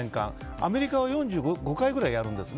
アメリカは４５回ぐらいやるんです。